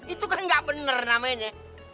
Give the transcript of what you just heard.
itu kan gak bener namanya